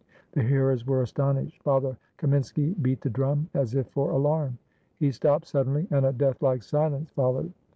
The hearers were astonished. Father Kaminski beat the drum as if for alarm; he stopped suddenly, and a deathlike silence followed.